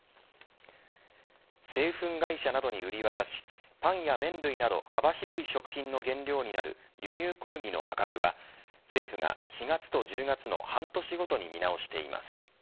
製粉会社などに売り渡しパンや麺類など幅広い食品の原料になる、輸入小麦の価格は政府が４月と１０月の半年ごとに見直しています。